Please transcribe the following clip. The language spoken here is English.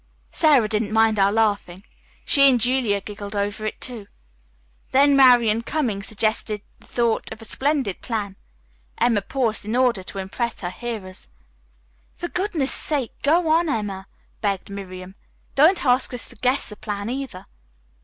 "Sara didn't mind our laughing. She and Julia giggled over it, too. Then Marian Cummings suddenly thought of a splendid plan." Emma paused in order to impress her hearers. "For goodness' sake, go on, Emma," begged Miriam. "Don't ask us to guess the plan, either."